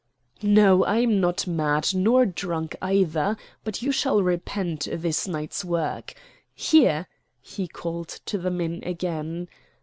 "No, I'm not mad nor drunk either, but you shall repent this night's work. Here," he called to the men again.